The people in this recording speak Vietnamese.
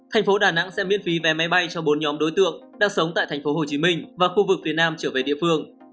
thành phố đà nẵng sẽ miễn phí vé máy bay cho bốn nhóm đối tượng đang sống tại tp hcm và khu vực phía nam trở về địa phương